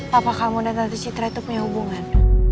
papa kamu dan tante citra itu punya hubungan